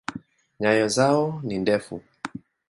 Nyayo zao ni ndefu.